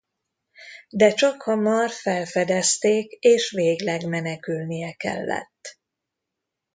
De csakhamar felfedezték és végleg menekülnie kellett.